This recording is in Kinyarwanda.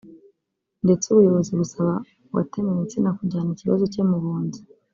ndetse ubuyobozi busaba uwatemewe insina kujyana ikibazo cye mu bunzi